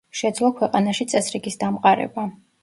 შეძლო ქვეყანაში წესრიგის დამყარება.